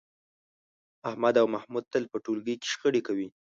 احمد او محمود تل په ټولګي کې شخړې کوي.